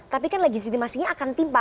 tapi kan legitimasinya akan timpa